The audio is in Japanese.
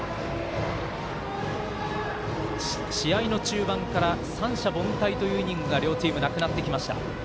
試合の中盤から三者凡退というイニングが両チームなくなってきました。